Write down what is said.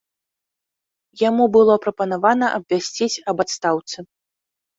Яму было прапанавана абвясціць аб адстаўцы.